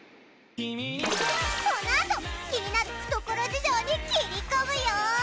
このあと気になる懐事情に切り込むよ！